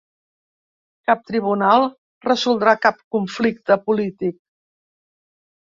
Cap tribunal resoldrà cap conflicte polític.